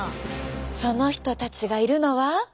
その人たちがいるのは。